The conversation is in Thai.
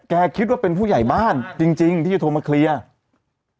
คิดว่าเป็นผู้ใหญ่บ้านจริงจริงที่จะโทรมาเคลียร์